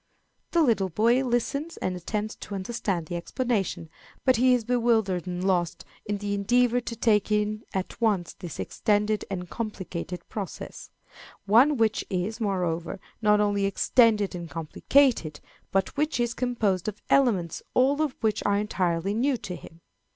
The boy listens and attempts to understand the explanation, but he is bewildered and lost in the endeavor to take in at once this extended and complicated process one which is, moreover, not only extended and complicated, but which is composed of elements all of which are entirely new to him.